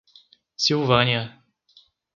Silvânia